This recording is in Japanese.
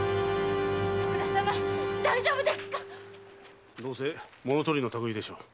大丈夫ですか⁉どうせ物盗りの類でしょう。